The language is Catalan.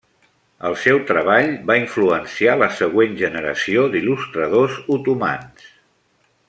El seu treball va influenciar la següent generació d'il·lustradors otomans.